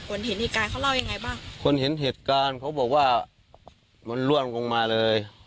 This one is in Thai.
เห็นเหตุการณ์เขาเล่ายังไงบ้างคนเห็นเหตุการณ์เขาบอกว่ามันล่วงลงมาเลย